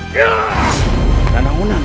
kau akan menang